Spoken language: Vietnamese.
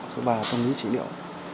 thứ ba là tâm lý trị liệu